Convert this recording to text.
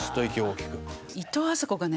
いとうあさこがね